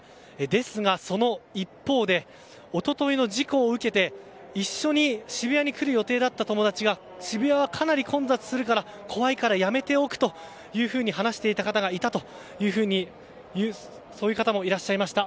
ですが、その一方で一昨日の事故を受けて一緒に渋谷に来る予定だった友達が渋谷は、かなり混雑するから怖いからやめておくと話していた方がいるというそういう方もいらっしゃいました。